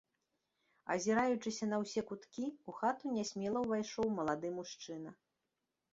Азіраючыся на ўсе куткі, у хату нясмела ўвайшоў малады мужчына.